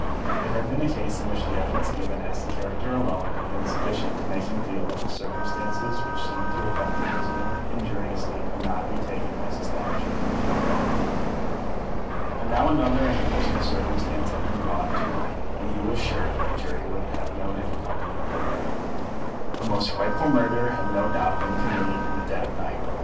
It had been a case in which the evidence given as to character alone had been sufficient to make him feel that the circumstances which seemed to affect the prisoner injuriously could not be taken as establishing his guilt. But now other and imposing circumstances had been brought to light, and he was sure that the jury would have no difficulty with their verdict. A most frightful murder had no doubt been committed in the dead of the night.